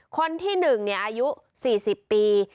คนที่หนึ่งเนี่ยอายุสี่สิบปี